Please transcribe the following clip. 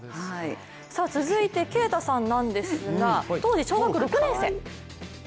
続いて、啓太さんなんですが当時小学６年生。